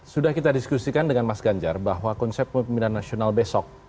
sudah kita diskusikan dengan mas ganjar bahwa konsep pemimpinan nasional besok